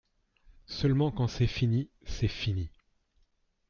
Seulement, quand c'est fini, c'est fini.